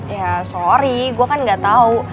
ya sorry gue kan gak tau